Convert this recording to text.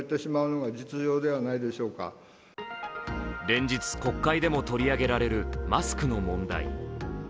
連日、国会でも取り上げられるマスクの問題。